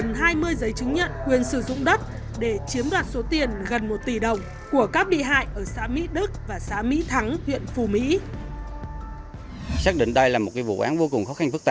gần hai mươi giấy chứng nhận quyền sử dụng đất để chiếm đoạt số tiền gần một tỷ đồng của các bị hại ở xã mỹ đức và xã mỹ thắng huyện phù mỹ